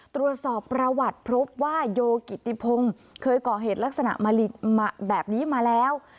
ตรวจสอบประวัติพบว่าโยกิติพงศ์เคยก่อเหตุลักษณะแบบนี้มาแล้ว